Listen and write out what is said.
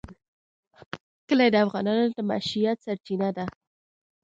کلي د افغانانو د معیشت سرچینه ده.